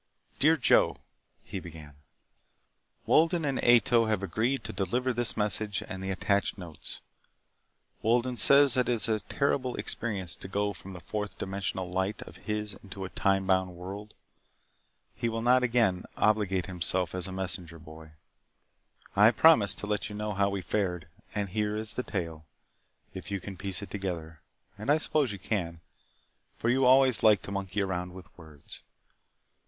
Dear Joe: (he began) Wolden and Ato have agreed to deliver this message and the attached notes. Wolden says that it is a terrible experience to go from the fourth dimensional light of his into a time bound world. He will not again obligate himself as a messenger boy. I promised to let you know how we fared. And here is the tale, if you can piece it together. And I suppose you can, for you always liked to monkey around with words.